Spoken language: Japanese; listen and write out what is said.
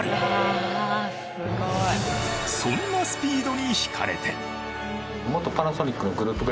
そんなスピードに引かれて。